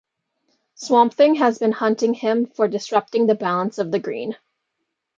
Swamp Thing had been hunting him for disrupting the balance of the Green.